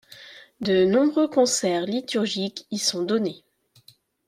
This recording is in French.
De nombreux concerts liturgiques y sont donnés.